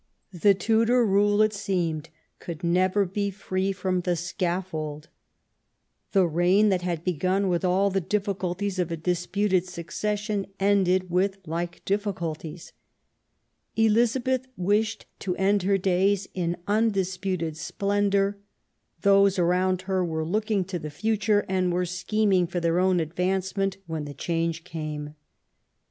The Tudor rule, it seemed, could never be free from the scaffold. The reign that had begun with all the difficulties of a disputed succession ended with like difficulties. Elizabeth wished to end her days in undisputed splendour: those around her were looking to the future, and were scheming for their own advancement when the change came.